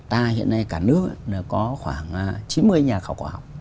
ta hiện nay cả nước có khoảng chín mươi nhà khảo cổ học